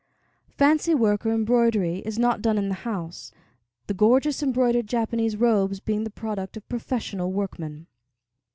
Fancy work or embroidery is not done in the house, the gorgeous embroidered Japanese robes being the product of professional workmen.